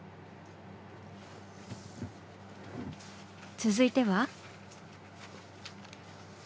続いては？